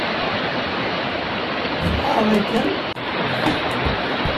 Tɣaḍ-iken?